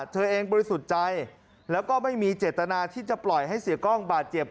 เธอเองบริสุทธิ์ใจแล้วก็ไม่มีเจตนาที่จะปล่อยให้เสียกล้องบาดเจ็บ